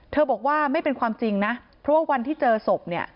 บอกว่าไม่เป็นความจริงนะเพราะว่าวันที่เจอศพเนี่ย